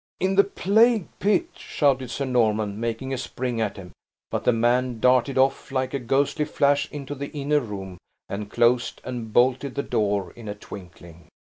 "In the plague pit!" shouted Sir Norman, making a spring at him; but the man darted off like a ghostly flash into the inner room, and closed and bolted the door in a twinkling.